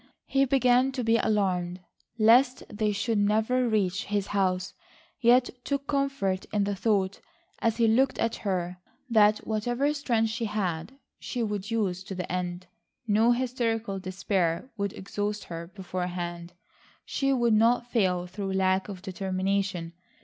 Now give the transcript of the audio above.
He began to be alarmed lest they should never reach his house, yet took comfort in the thought, as he looked at her, that whatever strength she had, she would use to the end. No hysterical despair would exhaust her beforehand. She would not fail through lack of determination.